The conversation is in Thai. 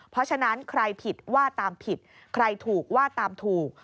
เพราะฉะนั้นใครผิดว่าตามผิดใครถูกว่าตามถูก